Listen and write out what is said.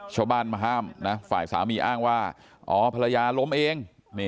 ชาวบ้านมหามฝ่ายสามีอ้างว่าออพระยาลมเอง